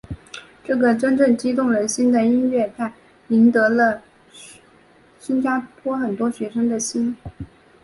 这个真正激励人的音乐录影带赢得了新加坡很多学生的心。